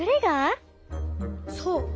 そう。